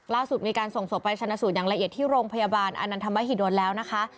ล่าสุดมีการส่งศพไปชนะสูตรอย่างละเอียดที่โรงพยาบาลอานันทมหิดลแล้วนะคะ